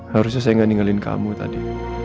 harusnya saya nggak ninggalin kamu tadi